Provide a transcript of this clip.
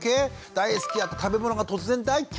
大好きだった食べ物が突然大っ嫌い！